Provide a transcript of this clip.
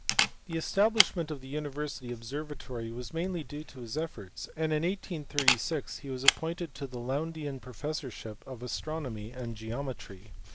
The establishment of the university observatory was mainly due to his efforts, and in 1836 he was appointed to the Lowndean professorship of astronomy and geometry.